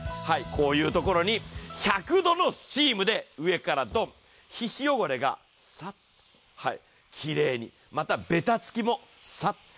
こういうところに１００度のスチームで上からドン、皮脂汚れがサッ、きれいに、またべたつきもサッ。